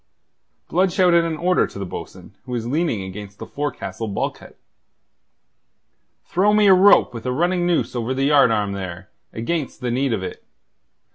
Blood shouted an order to the bo'sun, who was leaning against the forecastle bulkhead. "Throw me a rope with a running noose over the yardarm there, against the need of it.